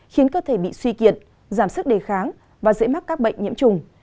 khiến cơ thể bị suy kiệt giảm sức đề kháng và dễ mắc các bệnh nhiễm trùng